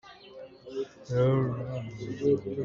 Rian cu na kal lai maw?